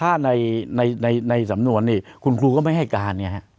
ถ้าในสำนวนนี่คุณครูก็ไม่ให้การ